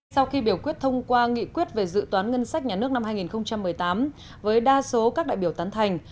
sau khi biểu quyết thông qua nghị quyết về dự toán ngân sách nhà nước năm hai nghìn một mươi tám với đa số các đại biểu tán thành